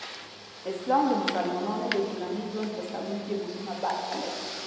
اسلام د مسلمانانو د ټولنیز ژوند په سمون کې مهمه برخه لري.